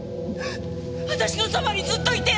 私のそばにずっといて！